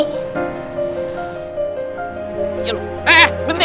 eh eh bentar